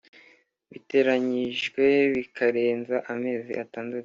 Biteranyijwe bikarenza amezi atandatu